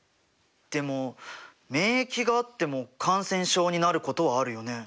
でも免疫があっても感染症になることはあるよね？